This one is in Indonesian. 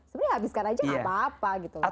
sebenernya habiskan aja gak apa apa gitu loh